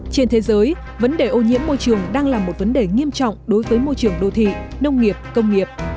trên thế giới vấn đề ô nhiễm môi trường đang là một vấn đề nghiêm trọng đối với môi trường đô thị nông nghiệp công nghiệp